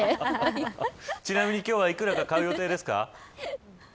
ちなみに今日は幾らか買う予定ですか。